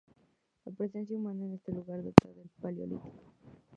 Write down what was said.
La presencia humana en este lugar data del paleolítico.